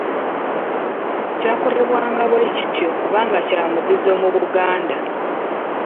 Kyakolebwanga bwe kityo kubanga kya muzizo mu Buganda.